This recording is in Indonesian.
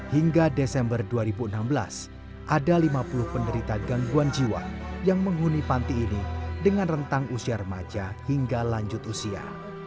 hingga desember dua ribu enam belas ada lima puluh penderita gangguan jiwa yang menghuni panti ini dengan rentang usia remaja hingga lanjut usia